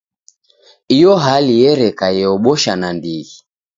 Iyo hali ereka eobosha nandighi.